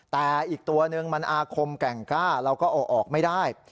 แต่อีกตัวนึงมันอาคมแก่งกล้าเราก็เอาออกไม่ได้